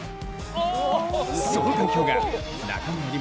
その環境が中村輪